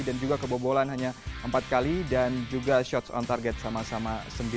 dan juga kebobolan hanya empat kali dan juga shots on target sama sama sembilan belas